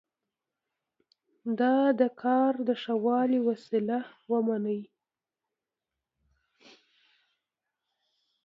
دا د کار د ښه والي وسیله ومني.